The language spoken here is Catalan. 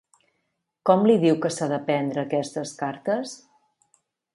Com li diu que s'ha de prendre aquestes cartes?